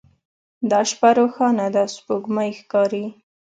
دا شپه روښانه ده سپوږمۍ ښکاري